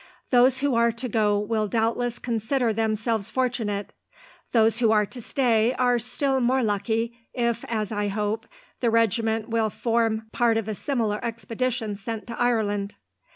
Those who are to go will doubtless consider themselves fortunate. Those who are to stay are still more lucky, if, as I hope, the regiment will form part of a similar expedition sent to Ireland."